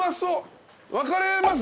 分かれます？